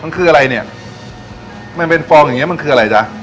มันคืออะไรเนี่ยมันเป็นฟองอย่างเงี้มันคืออะไรจ๊ะ